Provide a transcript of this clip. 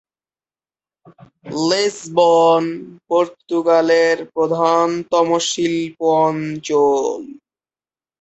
Lisbon পর্তুগালের প্রধানতম শিল্প অঞ্চল।